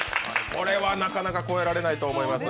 これは、なかなか超えられないと思います。